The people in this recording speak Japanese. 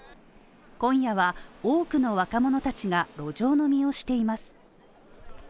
今夜は、多くの若者たちが路上飲みをしています。